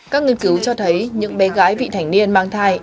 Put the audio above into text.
các nghiên cứu cho thấy những bé gái vị thành niên mang thai